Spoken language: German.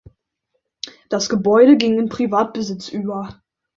Das Gebäude ging in Privatbesitz über.